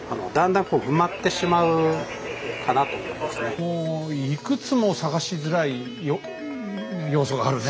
もういくつも捜しづらい要素があるね。